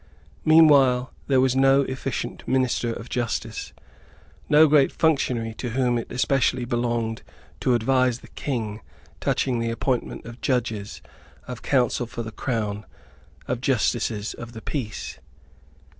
Meanwhile there was no efficient minister of justice, no great functionary to whom it especially belonged to advise the King touching the appointment of judges, of Counsel for the Crown, of Justices of the Peace.